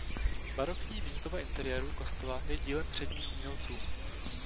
Barokní výzdoba interiérů kostela je dílem předních umělců.